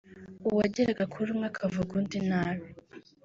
uwageraga kuri umwe akavuga undi nabi